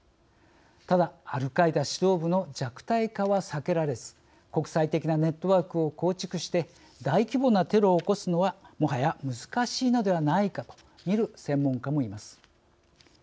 ただ、アルカイダ指導部の弱体化は避けられず国際的なネットワークを構築して大規模なテロを起こすのはもはや難しいのではないかと見る専門家もいます。